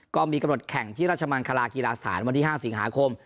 ก็มีกำหนดแข่งที่ราชมังคลากีฬาสถานวันที่๕สิงหาคม